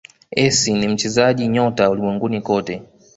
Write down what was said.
essi ni mchezaji nyota ulimwenguni kote